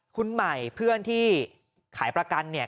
คุณใหม่เพื่อนที่ขายประกันเนี่ย